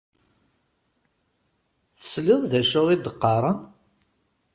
Tesliḍ d acu i d-qqaṛen?